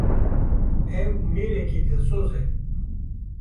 Ew mêrekî dilsoz e.